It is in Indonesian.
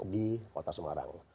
di kota sumarang